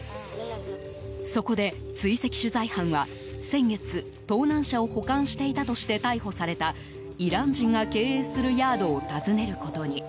そこで、追跡取材班は先月、盗難車を保管していたとして逮捕されたイラン人が経営するヤードを訪ねることに。